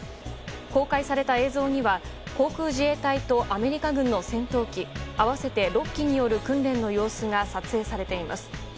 公開された映像には航空自衛隊とアメリカ軍の戦闘機合わせて６機による訓練の様子が撮影されています。